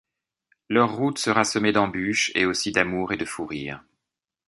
Leur route sera semée d'embûches, et aussi d'amour et de fous rires.